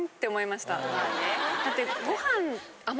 だって。